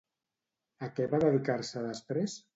A què va dedicar-se després?